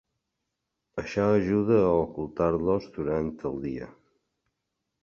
Això ajuda a ocultar-los durant el dia.